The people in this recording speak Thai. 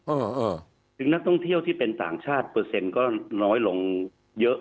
ถึงนักท่องเที่ยวที่เป็นต่างชาติเปอร์เซ็นต์ก็น้อยลงเยอะ